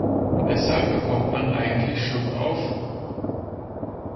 Weshalb bekommt man eigentlich Schluckauf?